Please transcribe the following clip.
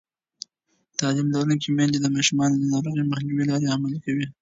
تعلیم لرونکې میندې د ماشومانو د ناروغۍ مخنیوي لارې عملي کوي.